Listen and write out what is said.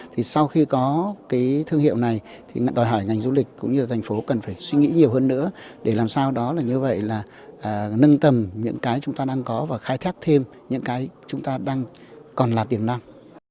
thì sau khi có cái thương hiệu này thì đòi hỏi ngành du lịch cũng như là thành phố cần phải suy nghĩ nhiều hơn nữa để làm sao đó là như vậy là nâng tầm những cái chúng ta đang có và khai thác thêm những cái chúng ta đang còn là tiềm năng